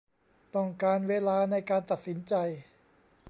ต้องการเวลาในการตัดสินใจ